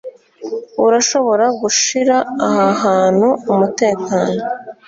urashobora gushira aha hantu umutekano